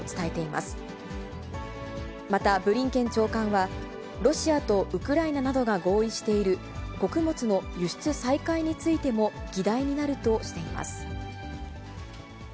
また、ブリンケン長官は、ロシアとウクライナなどが合意している、穀物の輸出再開についても議題になるとしています。